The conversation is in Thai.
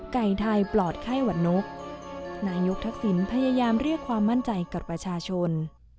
ไก่ไทยปลอดไข้หวัดนกนายกทักษิณพยายามเรียกความมั่นใจกับประชาชน